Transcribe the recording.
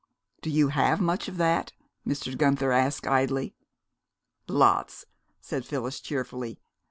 "Do you have much of that?" Mr. De Guenther asked idly. "Lots!" said Phyllis cheerfully.